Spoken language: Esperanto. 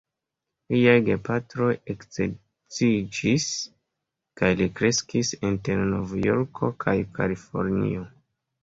Liaj gepatroj eksedziĝis, kaj li kreskis inter Novjorko kaj Kalifornio.